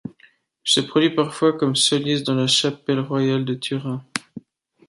Il se produit parfois comme soliste dans la chapelle royale de Turin.